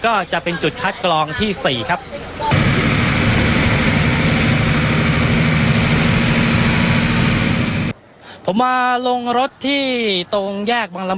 ก็จะเป็นจุดคัดกรองที่๔ครับ